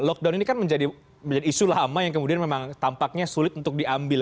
lockdown ini kan menjadi isu lama yang kemudian memang tampaknya sulit untuk diambil